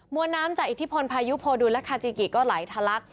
วนน้ำจากอิทธิพลพายุโพดุลและคาจิกิก็ไหลทะลัก